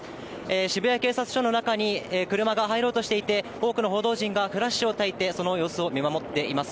渋谷警察署の中に車が入ろうとしていて、多くの報道陣がフラッシュをたいて、その様子を見守っています。